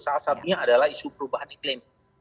salah satunya adalah isu perubahan iklim